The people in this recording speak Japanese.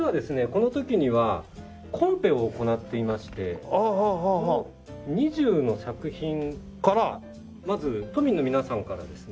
この時にはコンペを行っていましてこの２０の作品まず都民の皆さんからですね